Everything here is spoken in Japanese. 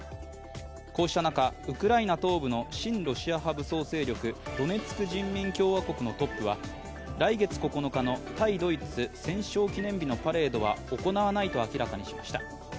こうした中、ウクライナ東部の親ロシア派武装勢力、ドネツク人民共和国のトップは来月９日の対ドイツ戦勝記念日のパレードは行わないと明らかにしました。